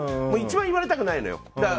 一番言われたくないのよ。